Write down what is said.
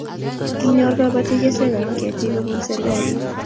Kinyor kobotik keswekab ketik kobun serkalit